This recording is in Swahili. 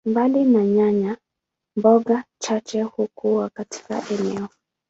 Mbali na nyanya, mboga chache hukua katika eneo.